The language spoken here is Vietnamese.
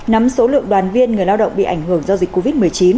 nắm số lượng đoàn viên người lao động bị ảnh hưởng do dịch covid một mươi chín